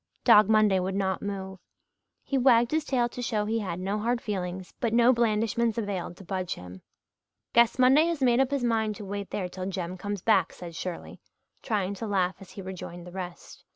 Dog Monday would not move. He wagged his tail to show he had no hard feelings but no blandishments availed to budge him. "Guess Monday has made up his mind to wait there till Jem comes back," said Shirley, trying to laugh as he rejoined the rest.